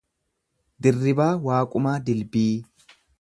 Dirribaa Waaqumaa Dilbii